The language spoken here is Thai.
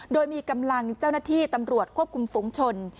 โดยมีกำลังเจ้าหน้าที่ตำรวจควบคุมฝุงชน